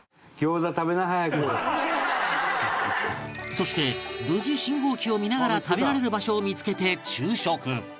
そして無事信号機を見ながら食べられる場所を見つけて昼食